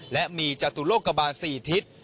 และมีจตุโลกบาล๔ทิศ